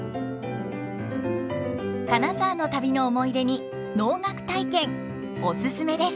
金沢の旅の思い出に能楽体験お勧めです！